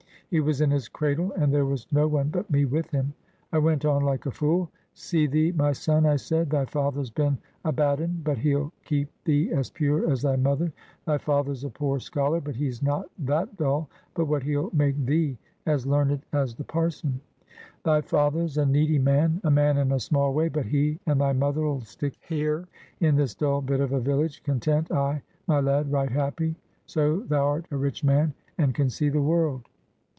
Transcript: He was in his cradle, and there was no one but me with him. I went on like a fool. 'See thee, my son,' I said, 'thy father's been a bad 'un, but he'll keep thee as pure as thy mother. Thy father's a poor scholar, but he's not that dull but what he'll make thee as learned as the parson. Thy father's a needy man, a man in a small way, but he and thy mother'll stick here in this dull bit of a village, content, ay, my lad, right happy, so thou'rt a rich man, and can see the world!